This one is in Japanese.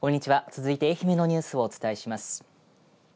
続いて愛媛のニュースをお伝えします。